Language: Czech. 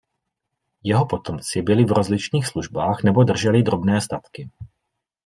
Jeho potomci byli v rozličných službách nebo drželi drobné statky.